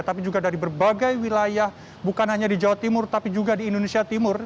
tapi juga dari berbagai wilayah bukan hanya di jawa timur tapi juga di indonesia timur